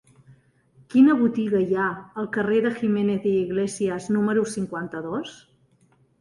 Quina botiga hi ha al carrer de Jiménez i Iglesias número cinquanta-dos?